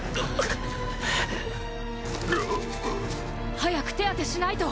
早く手当てしないと。